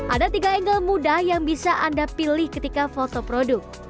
ada tiga angle mudah yang bisa anda pilih ketika foto produk